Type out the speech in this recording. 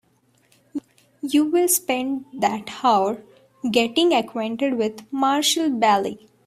You will spend that hour getting acquainted with Marshall Bailey.